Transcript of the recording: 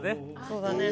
そうだね。